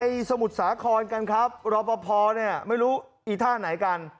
สมุทรสาครกันครับรอปภเนี่ยไม่รู้อีท่าไหนกัน